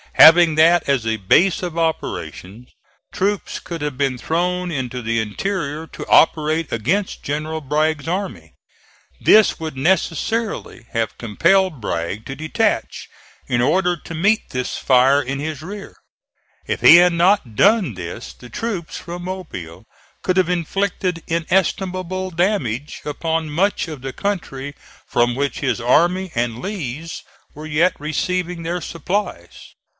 Having that as a base of operations, troops could have been thrown into the interior to operate against General Bragg's army. This would necessarily have compelled Bragg to detach in order to meet this fire in his rear. If he had not done this the troops from Mobile could have inflicted inestimable damage upon much of the country from which his army and Lee's were yet receiving their supplies.